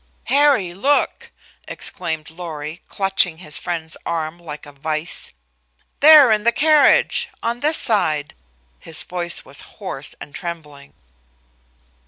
"Harry! Look!" exclaimed Lorry, clutching his friend's arm like a vise. "There in the carriage on this side!" His voice was hoarse and trembling.